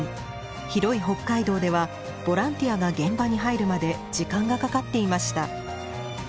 広い北海道ではボランティアが現場に入るまで時間がかかっていました。